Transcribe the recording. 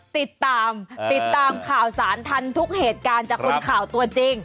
ติดตามติดตามข่าวสารทันทุกเหตุการณ์จากคนข่าวตัวจริง